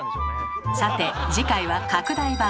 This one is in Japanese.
さて次回は拡大版。